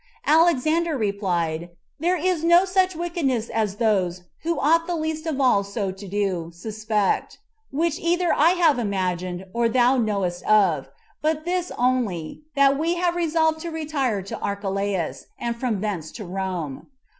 Alexander replied, "There is no such wickedness as those [who ought the least of all so to do] suspect, which either I have imagined, or thou knowest of, but this only, that we had resolved to retire to Archelaus, and from thence to Rome."